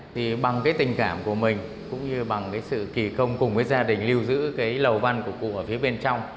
thì bằng tình cảm của mình cũng như bằng sự kỳ công cùng gia đình lưu giữ lầu văn của cụ ở phía bên trong